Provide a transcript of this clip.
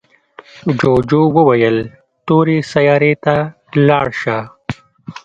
جوجو وویل تورې سیارې ته لاړ شه.